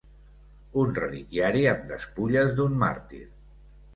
Un reliquiari amb despulles d'un màrtir.